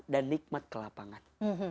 dan nikmat kelapangan